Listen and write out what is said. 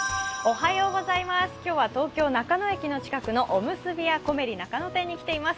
今日は東京・中野駅の近くのおむすび屋こめり中野店に来ています。